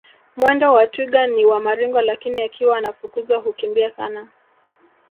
Mwendo wa twiga ni wa maringo lakini akiwa anafukuzwa hukimbia sana